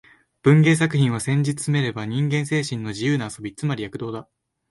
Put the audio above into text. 文芸作品は、せんじつめれば人間精神の自由な遊び、つまり躍動だ